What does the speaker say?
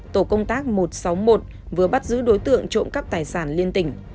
tổ công tác một trăm sáu mươi một vừa bắt giữ đối tượng trộm cắp tài sản liên tỉnh